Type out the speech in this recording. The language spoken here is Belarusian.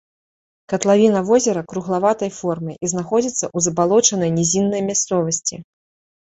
Катлавіна возера круглаватай формы і знаходзіцца ў забалочанай нізіннай мясцовасці.